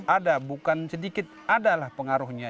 ada bukan sedikit adalah pengaruhnya